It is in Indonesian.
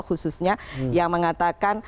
khususnya yang mengatakan